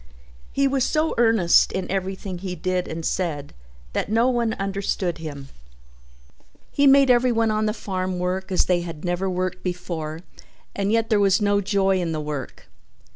He was so in earnest in everything he did and said that no one understood him. He made everyone on the farm work as they had never worked before and yet there was no joy in the work.